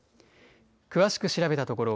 詳しく調べたところ